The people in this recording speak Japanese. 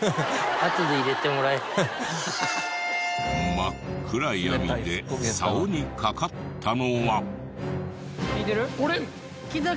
真っ暗闇でさおにかかったのは。